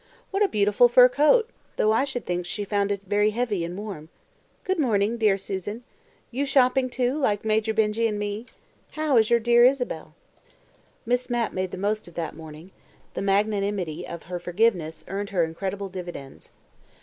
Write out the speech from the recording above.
What a beautiful fur coat, though I should think she found it very heavy and warm. Good morning, dear Susan! You shopping, too, like Major Benjy and me? How is your dear Isabel?" Miss Mapp made the most of that morning; the magnanimity of her forgiveness earned her incredible dividends.